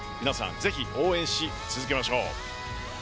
ぜひ、応援し続けましょう。